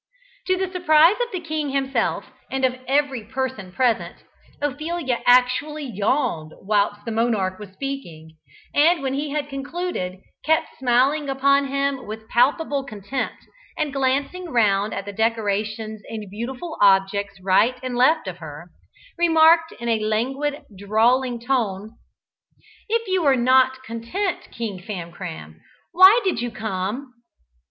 To the surprise of the king himself and of every person present, Ophelia actually yawned whilst the monarch was speaking, and when he had concluded, kept smiling upon him with palpable contempt, and glancing round at the decorations and beautiful objects right and left of her, remarked in a languid, drawling tone "If you are not content, King Famcram, why did you come?"